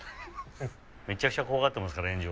・めちゃくちゃ怖がっていますから炎上。